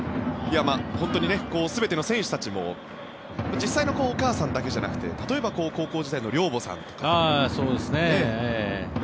本当に全ての選手たちも実際のお母さんだけじゃなくて例えば高校時代の寮母さんとか。